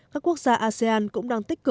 các quốc gia asean cũng đang tích cực